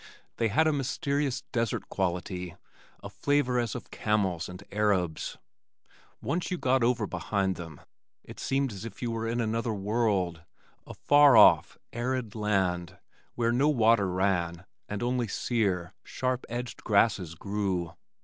They had a mysterious desert quality, a flavor as of camels and Arabs. Once you got over behind them it seemed as if you were in another world, a far off arid land where no water ran and only sear, sharp edged grasses grew.